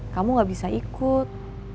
kamu gak bisa ikut